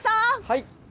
はい！